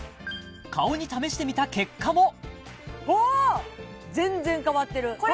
顔に試してみた結果もあっ全然変わってる変わってます？